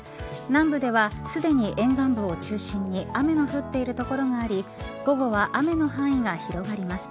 南部では、すでに沿岸部を中心に雨の降っている所があり午後は雨の範囲が広がります。